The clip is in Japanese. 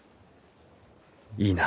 いいな？